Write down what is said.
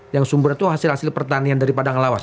yang sumbernya tuh hasil hasil pertanian dari padang lawas